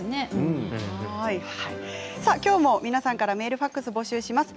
きょうも皆さんからメールファックスを募集します。